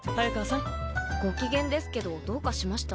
ご機嫌ですけどどうかしました？